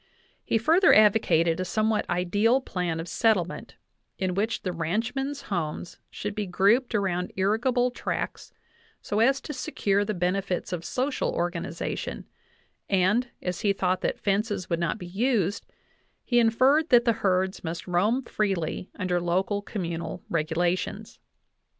He further advocated a some what ideal plan of settlement, in which the ranchmen's homes should be grouped around irrigable tracts, so as to secure the benefits of social organization, and, as he thought that fences would not be used, he inferred that the herds must roam freely under local communal regulations.